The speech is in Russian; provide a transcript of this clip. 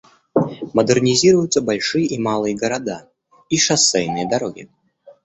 Модернизируются большие и малые города и шоссейные дороги.